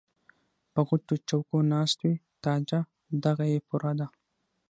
پۀ غټو چوکــــو ناست وي تاجه دغه یې پوره ده